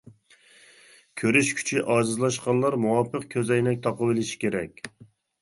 كۆرۈش كۈچى ئاجىزلاشقانلار مۇۋاپىق كۆز ئەينەك تاقىۋېلىشى كېرەك.